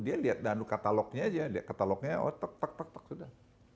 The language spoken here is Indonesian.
dia lihat danduk katalognya aja katalognya oh tek tek tek tek sudah